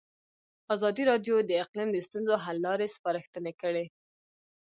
ازادي راډیو د اقلیم د ستونزو حل لارې سپارښتنې کړي.